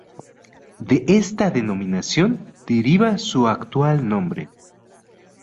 De esta denominación deriva su actual nombre.